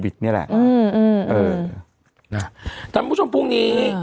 ท่านผู้ชมพรุ่งนี้